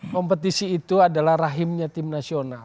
kompetisi itu adalah rahimnya tim nasional